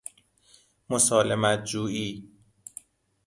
مسالمت جوئی